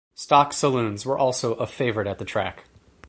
Stock Saloons were also a favourite at the track.